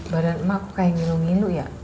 badan emak kayak ngilu ngilu ya